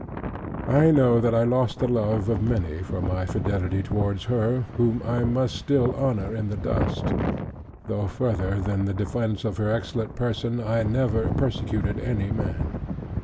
I know that I lost the love of many, for my fidelity towards Her, whom I must still honor in the dust; though further than the defence of her excellent person, I never persecuted any man.